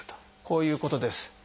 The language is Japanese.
こういうことです。